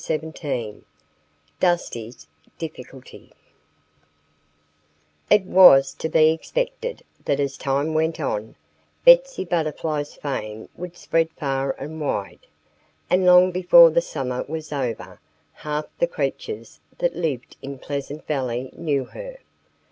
XVII DUSTY'S DIFFICULTY IT was to be expected that as time went on, Betsy Butterfly's fame would spread far and wide. And long before the summer was over, half the creatures that lived in Pleasant Valley knew her.